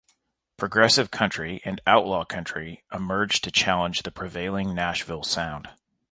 Progressive country and outlaw country emerged to challenge the prevailing Nashville sound.